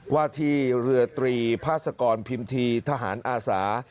ว่าที่เรือตรีภาษกรพิมทีทหารอาสา